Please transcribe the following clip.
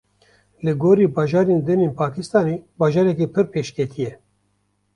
Li gorî bajarên din ên Pakistanê bajarekî pir pêşketî ye.